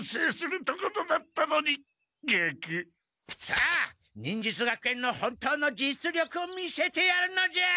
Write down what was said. さあ忍術学園の本当の実力を見せてやるのじゃ！